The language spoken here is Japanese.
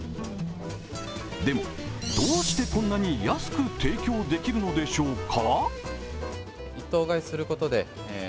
でも、どうしてこんなに安く提供できるのでしょうか？